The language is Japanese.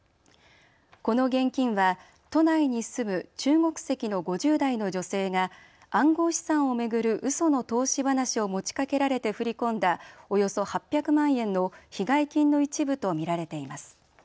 この現金は都内に住む中国籍の５０代の女性が暗号資産を巡るうその投資話を持ちかけられて振り込んだおよそ８００万円の被害金の一部と見られています。